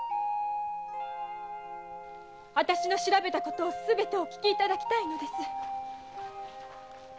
私の調べたことをお聞きいただきたいのです。